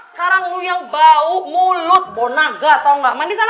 sekarang lu yang bau mulut bonaga tau gak mandi sana